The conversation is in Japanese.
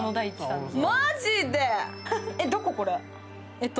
えっと